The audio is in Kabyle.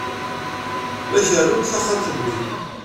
La kerrunt taxxamt-nni.